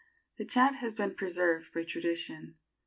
The chant has been preserved by tradition.